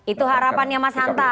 itu harapannya mas hanta